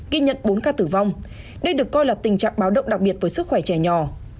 ghi nhận bốn ca tử vong đây được coi là tình trạng báo động đặc biệt với sức khỏe trẻ nhỏ